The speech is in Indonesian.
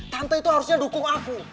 tante itu harusnya dukung aku